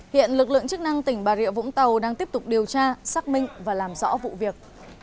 hiện lực lượng chức năng tỉnh bà rịa vũng tàu đang tiếp tục điều tra xác minh và làm rõ vụ việc